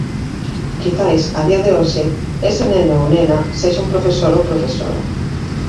Quizais, a día de hoxe, ese neno ou nena sexa un profesor ou profesora.